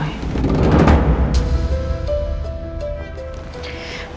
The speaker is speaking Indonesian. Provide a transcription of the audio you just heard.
pantesan keluarga jessica juga dendamkan sama kita